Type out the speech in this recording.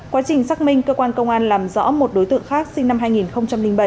quá trình xác minh cơ quan công an làm rõ một đối tượng khác sinh năm hai nghìn bảy